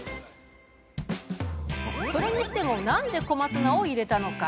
それにしてもなんで小松菜を入れたのか。